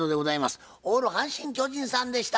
オール阪神・巨人さんでした。